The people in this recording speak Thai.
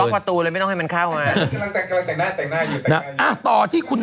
กำลังแต่งหน้าอยู่